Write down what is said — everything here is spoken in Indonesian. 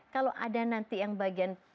kalau ada nanti yang bagian